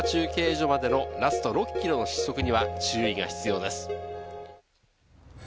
戸塚中継所までのラスト６ｋｍの失速には注意が必要です。